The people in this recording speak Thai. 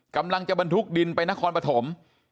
กำลังจะบรรทุกดินไปนครปฐม